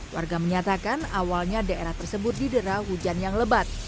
warga menyatakan awalnya daerah tersebut didera hujan yang lebat